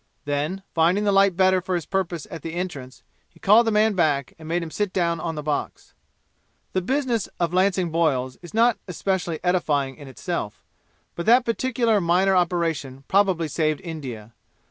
Then, finding the light better for his purpose at the entrance, he called the man back and made him sit down on the box. The business of lancing boils is not especially edifying in itself; but that particular minor operation probably saved India.